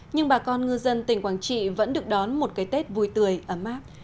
nhưng bà con ngư dân tỉnh quảng trị vẫn được đón một cái tết vui tươi ấm áp